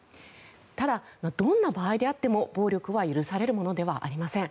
ただ、どんな場合であっても暴力は許されるものではありません。